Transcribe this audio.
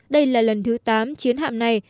đây là lần thứ tám chiến hạm này